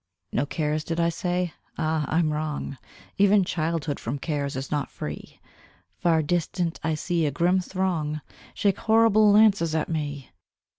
No cares did I say? Ah! I'm wrong: Even childhood from cares is not free: Far distant I see a grim throng Shake horrible lances at me!